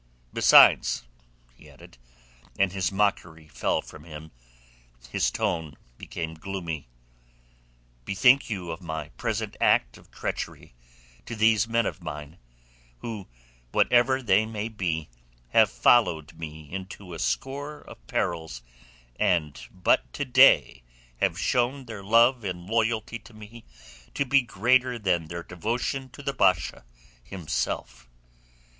Besides," he added, and his mockery fell from him, his tone became gloomy, "bethink you of my present act of treachery to these men of mine, who, whatever they may be, have followed me into a score of perils and but to day have shown their love and loyalty to me to be greater than their devotion to the Basha himself.